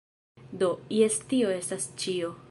Do, jes tio estas ĉio